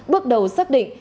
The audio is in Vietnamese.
bước đầu xác định